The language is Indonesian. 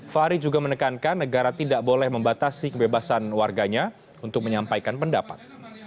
fahri juga menekankan negara tidak boleh membatasi kebebasan warganya untuk menyampaikan pendapat